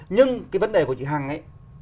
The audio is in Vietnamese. nhưng cái vấn đề của chị hằng ấy